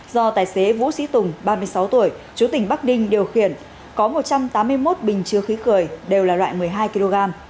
do tài xế vũ sĩ tùng ba mươi sáu tuổi chú tỉnh bắc ninh điều khiển có một trăm tám mươi một bình chứa khí cười đều là loại một mươi hai kg